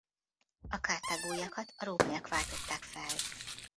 A karthágóiakat a rómaiak váltották fel.